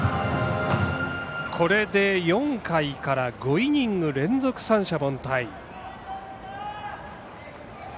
これで、４回から５イニング連続三者凡退。